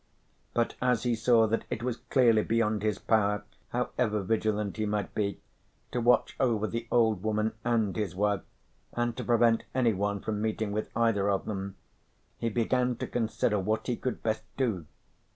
But as he saw that it was clearly beyond his power, however vigilant he might be, to watch over the old woman and his wife, and to prevent anyone from meeting with either of them, he began to consider what he could best do.